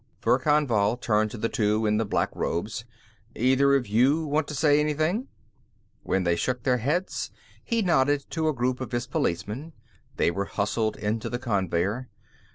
Verkan Vall turned to the two in the black robes. "Either of you want to say anything?" When they shook their heads, he nodded to a group of his policemen; they were hustled into the conveyer.